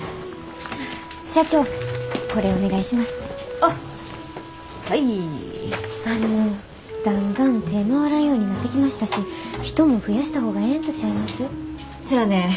あのだんだん手ぇ回らんようになってきましたし人も増やした方がええんとちゃいます？